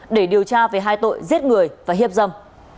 để điều tra về hai tội giết người và hiếp dâm